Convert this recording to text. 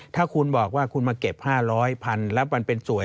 ถ้าคุณบอกว่าคุณมาเก็บ๕๐๐พันแล้วมันเป็นสวย